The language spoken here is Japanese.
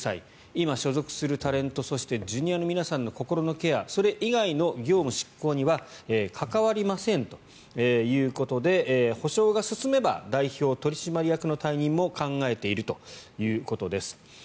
今、所属するタレントそしてＪｒ．の皆さんの心のケアそれ以外の業務執行には関わりませんということで補償が進めば代表取締役の退任も考えているということです。